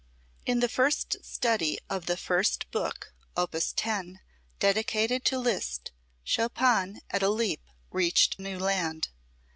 In the first study of the first book, op. 10, dedicated to Liszt, Chopin at a leap reached new land.